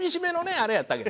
あれやったけどね。